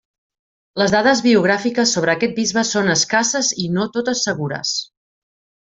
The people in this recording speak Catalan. Les dades biogràfiques sobre aquest bisbe són escasses i no totes segures.